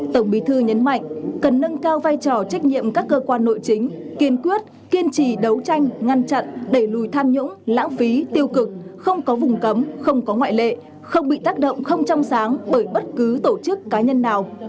tổng bí thư nhấn mạnh cần nâng cao vai trò trách nhiệm các cơ quan nội chính kiên quyết kiên trì đấu tranh ngăn chặn đẩy lùi tham nhũng lãng phí tiêu cực không có vùng cấm không có ngoại lệ không bị tác động không trong sáng bởi bất cứ tổ chức cá nhân nào